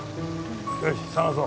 よし捜そう。